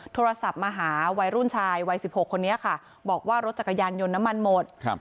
โทรศัพท์มาหาวัยรุ่นชายวัยสิบหกคนนี้ค่ะบอกว่ารถจักรยานยนต์น้ำมันหมดครับ